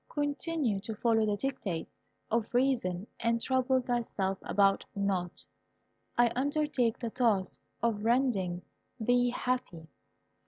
Continue to follow the dictates of reason, and trouble thyself about naught. I undertake the task of rendering thee happy."